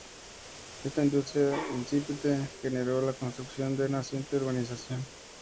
Esta industria incipiente generó la construcción en la naciente urbanización.